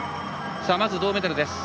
まず銅メダルです。